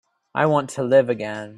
I want to live again.